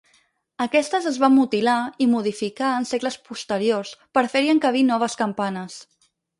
Aquestes es van mutilar i modificar en segles posteriors per fer-hi encabir noves campanes.